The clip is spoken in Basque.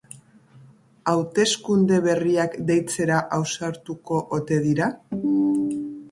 Hauteskunde berriak deitzera ausartuko ote dira?